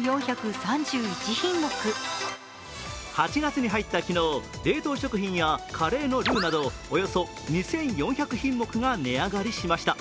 ８月に入った昨日、冷凍食品やカレーのルーなどおよそ２４００品目が値上がりしました。